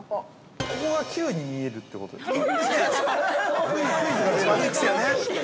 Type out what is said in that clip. ◆ここがＱに見えるってことですか。